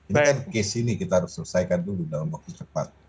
ini kan case ini kita harus selesaikan dulu dalam waktu cepat